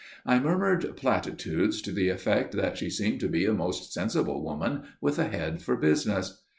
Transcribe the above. I murmured platitudes to the effect that she seemed to be a most sensible woman, with a head for business.